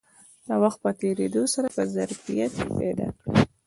د وخت په تېرېدو سره به ظرفیت پیدا کړي